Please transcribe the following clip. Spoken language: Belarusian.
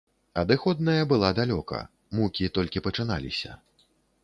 Адыходная была далёка, мукі толькі пачыналіся.